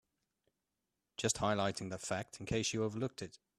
Just highlighting that fact in case you overlooked it.